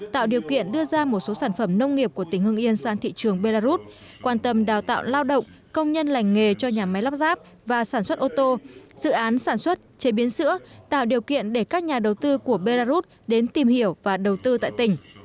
tạo điều kiện đưa ra một số sản phẩm nông nghiệp của tỉnh hưng yên sang thị trường belarus quan tâm đào tạo lao động công nhân lành nghề cho nhà máy lắp ráp và sản xuất ô tô dự án sản xuất chế biến sữa tạo điều kiện để các nhà đầu tư của belarus đến tìm hiểu và đầu tư tại tỉnh